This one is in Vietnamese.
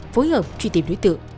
phối hợp truy tìm đối tượng